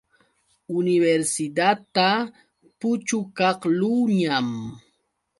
Universidadta puchukaqluuñam.